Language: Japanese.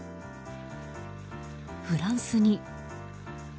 フランスに。